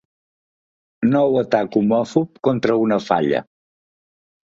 Nou atac homòfob contra una falla.